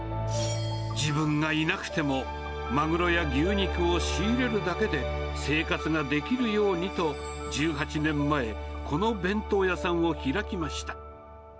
自分がいなくても、マグロや牛肉を仕入れるだけで生活ができるようにと、１８年前、この弁当屋さんを開きました。